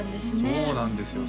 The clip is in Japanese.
そうなんですよ